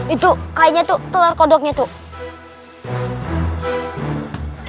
itu kayaknya tuh tular kodoknya tuh